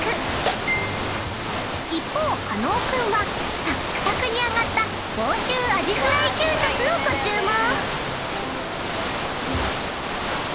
［一方加納君はサックサクに揚がった房州アジフライ給食をご注文］